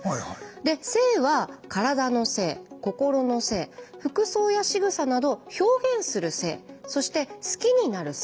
で性は「体の性」「心の性」服装やしぐさなど「表現する性」そして「好きになる性」。